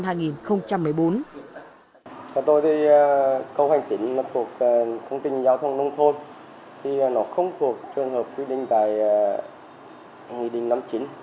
theo tôi thì câu hành tín thuộc công trình giao thông nông thôn thì nó không thuộc trường hợp quyết định tại nghị định năm chín